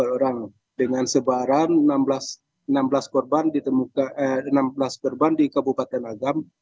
tiga puluh empat orang dengan sebaran enam belas korban di kabupaten agam